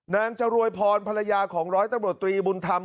จรวยพรภรรยาของร้อยตำรวจตรีบุญธรรม